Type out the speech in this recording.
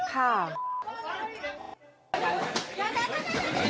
ทีมนั้นเหนียวนะ